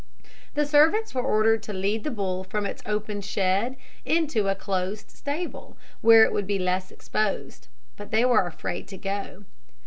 The servants were ordered to lead the bull from its open shed into a close stable, where it would be less exposed; but they were afraid to go.